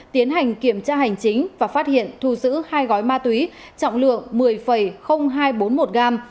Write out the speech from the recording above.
đức đã bị kiểm tra hành chính và phát hiện thu giữ hai gói ma túy trọng lượng một mươi hai trăm bốn mươi một gam